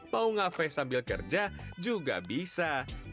mau ngafresh sambil kerja juga bisa